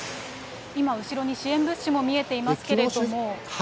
今、後ろに支援物資も見えていますけれども。